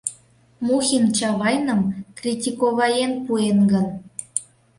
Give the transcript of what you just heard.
Мухин Чавайным «критиковаен» пуэн гын.